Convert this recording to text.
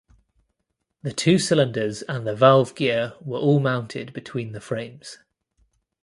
The two cylinders and the valve gear were all mounted between the frames.